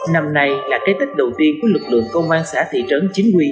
năm nay là cái tích đầu tiên của lực lượng công an xã thị trấn chính quy